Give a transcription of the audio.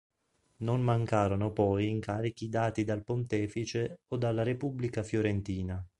Non mancarono poi incarichi dati dal pontefice o dalla Repubblica fiorentina.